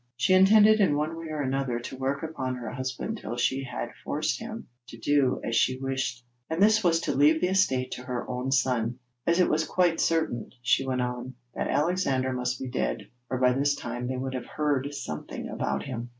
She intended in one way or another to work upon her husband till she had forced him to do as she wished, and this was to leave the estate to her own son, 'as it was quite certain,' she went on, 'that Alexander must be dead, or by this time they would have heard something about him.'